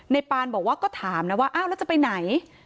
ปานบอกว่าก็ถามนะว่าอ้าวแล้วจะไปไหน